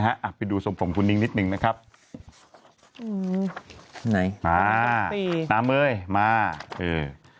อ่ะไปดูทรงผมคุณนิ้งนิดหนึ่งนะครับอืมไหนอ่าตามเอ้ยมาเออ